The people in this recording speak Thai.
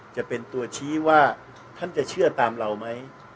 จะเป็นตัวชี้ว่าท่านจะเชื่อตามเราไหม